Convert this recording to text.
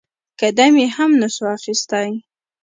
قدم يې هم نسو اخيستى.